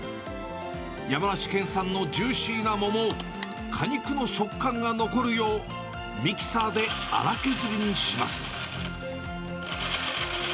山梨県産のジューシーな桃を、果肉の食感が残るよう、ミキサーで粗削りにします。